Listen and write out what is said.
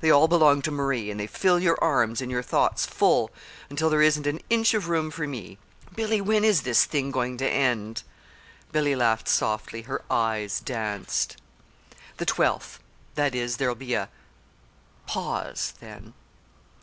They all belong to Marie, and they fill your arms and your thoughts full, until there isn't an inch of room for me. Billy, when is this thing going to end?" Billy laughed softly. Her eyes danced. "The twelfth; that is, there'll be a pause, then."